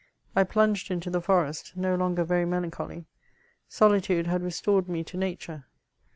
I plunged into the forest, no longer Yerj melancholy ; soli tode had restored me to nature.